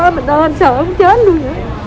trời ơi anh sợ muốn chết luôn nha